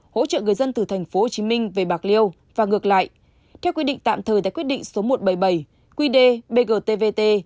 hỗ trợ người dân từ tp hcm về bạc liêu và ngược lại theo quy định tạm thời tại quyết định số một trăm bảy mươi bảy qd bgtvt